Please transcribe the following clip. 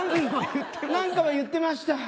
何かは言ってました。